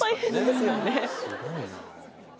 すごいな。